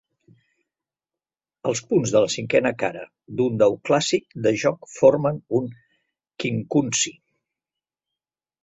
Els punts de la cinquena cara d'un dau clàssic de joc formen un quincunci.